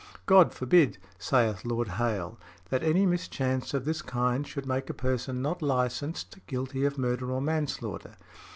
"God forbid," saith Lord Hale, "that any mischance of this kind should make a person not licensed, guilty of murder or manslaughter.